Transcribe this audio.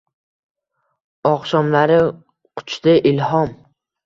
Oqshomlari quchdi ilhom